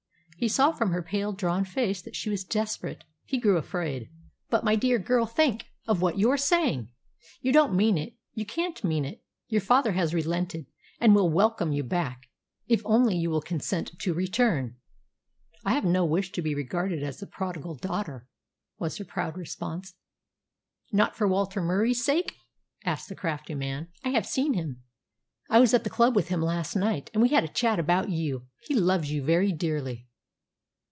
He saw from her pale, drawn face that she was desperate. He grew afraid. "But, my dear girl, think of what you are saying! You don't mean it; you can't mean it. Your father has relented, and will welcome you back, if only you will consent to return." "I have no wish to be regarded as the prodigal daughter," was her proud response. "Not for Walter Murie's sake?" asked the crafty man. "I have seen him. I was at the club with him last night, and we had a chat about you. He loves you very dearly.